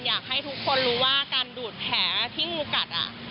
อยากให้ทุกคนรู้ว่าการดูดแผลที่งูกัด